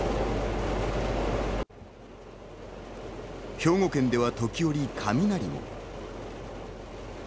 兵庫県では時折、雷も。